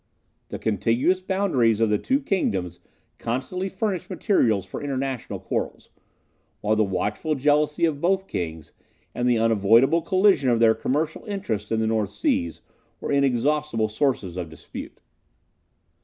The contiguous boundaries of the two kingdoms constantly furnished materials for international quarrels, while the watchful jealousy of both kings, and the unavoidable collision of their commercial interests in the North Seas, were inexhaustible sources of dispute.